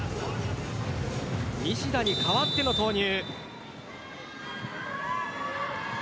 西田に代わっての投入。